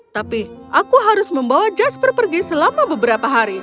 tapi aku harus membawa jasper pergi selama beberapa hari